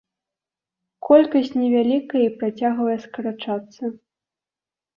Колькасць невялікая і працягвае скарачацца.